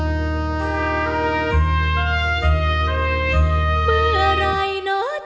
มีพร้อมให้เราสนับสนุน